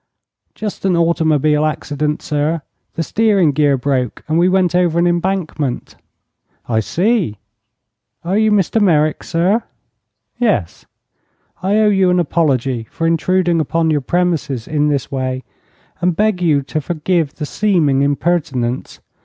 "Just an automobile accident, sir. The steering gear broke, and we went over an embankment." "I see." "Are you Mr. Merrick, sir." "Yes." "I owe you an apology for intruding upon your premises in this way, and beg you to forgive the seeming impertinence.